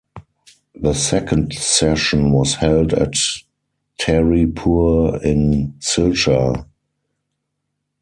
The second session was held at Tarepur in Silchar.